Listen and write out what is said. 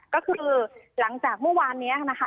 ก็คือหลังจากเมื่อวานนี้นะคะ